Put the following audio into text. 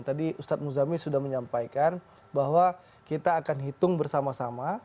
tadi ustadz muzami sudah menyampaikan bahwa kita akan hitung bersama sama